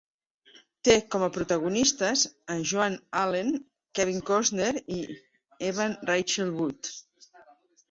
Te com a protagonistes a Joan Allen, Kevin Costner i Evan Rachel Wood.